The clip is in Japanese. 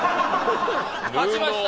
勝ちました。